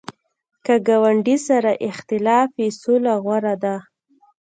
که ګاونډي سره اختلاف وي، صلح غوره ده